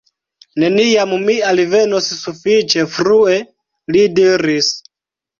Neniam mi alvenos sufiĉe frue, li diris.